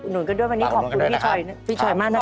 หนูกันด้วยวันนี้ขอบคุณพี่ชอยมากนะคะ